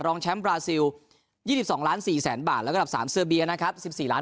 รองแชมป์บราซิล๒๒๔๐๐๐๐๐บาทแล้วก็รับ๓เซอร์เบียนะครับ